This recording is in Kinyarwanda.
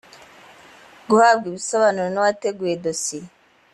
guhabwa ibisobanuro n uwateguye dosiye